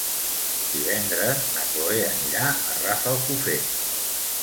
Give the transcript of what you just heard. Divendres na Cloè anirà a Rafelcofer.